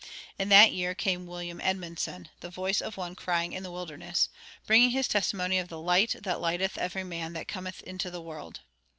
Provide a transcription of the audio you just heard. In that year came William Edmundson, "the voice of one crying in the wilderness," bringing his testimony of the light that lighteth every man that cometh into the world.